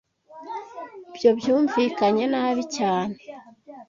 Ibyo byumvikanye nabi cyane.